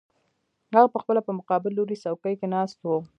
هغه پخپله په مقابل لوري څوکۍ کې ناست و